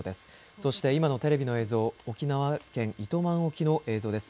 そして今のテレビの映像、沖縄県糸満沖の映像です。